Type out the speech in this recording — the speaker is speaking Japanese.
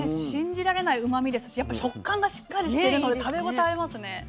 信じられないうまみですしやっぱ食感がしっかりしてるので食べ応えありますね。